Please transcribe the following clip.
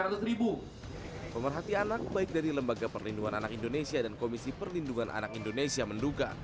menurut tni asean itu berarti anak baik dari lembaga perlindungan anak indonesia dan komisi perlindungan anak indonesia menduga